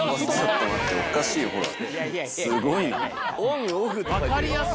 すごいな。